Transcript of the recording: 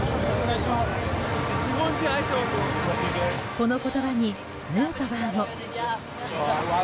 この言葉にヌートバーも。